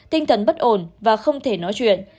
tinh thần bất ổn và không thể nói chuyện